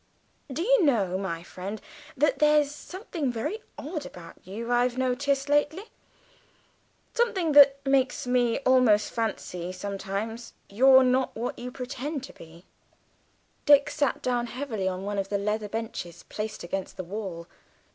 "Do you know, my friend, that there's something very odd about you I've noticed lately? Something that makes me almost fancy sometimes you're not what you pretend to be." Dick sat down heavily on one of the leather benches placed against the wall.